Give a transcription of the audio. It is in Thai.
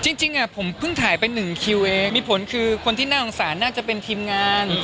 จริงผมเพิ่งถ่ายไปหนึ่งคิวเองมีผลคือคนที่น่าสงสารน่าจะเป็นทีมงาน